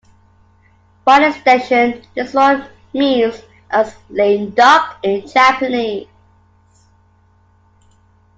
By extension, this word means as "lame duck" in Japanese.